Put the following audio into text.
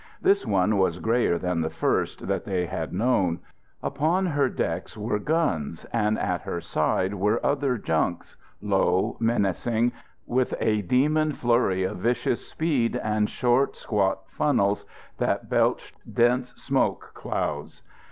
This one was greyer than the first that they had known. Upon her decks were guns and at her side were other junks, low, menacing, with a demon flurry of vicious speed, and short, squat funnels that belched dense smoke clouds.